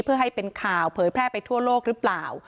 เพื่อให้เป็นข่าวเผยแพร่ไปทั่วโลกหรือเปล่า